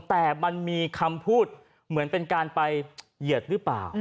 แต่มันมีคำพูดเหมือนเป็นการไปเหยียดหรือเปล่า